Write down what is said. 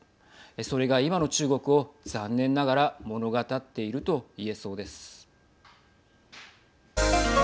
それが今の中国を残念ながら物語っていると言えそうです。